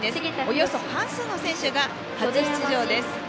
およそ半数の選手が初出場です。